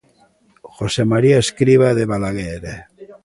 José María Escrivá de Balaguer.